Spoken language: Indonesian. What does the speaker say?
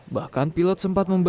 bahkan pilot sempat membela